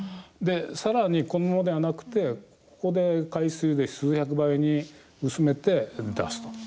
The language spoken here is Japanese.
さらに、このままではなくてここで海水で数百倍に薄めて出すと。